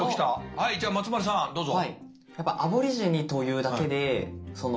はいじゃあ松丸さんどうぞ。